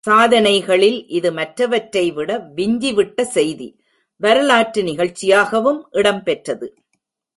சாதனைகளில் இது மற்றவற்றை விட விஞ்சி விட்ட செய்தி, வரலாற்று நிகழ்ச்சியாகவும் இடம் பெற்றது.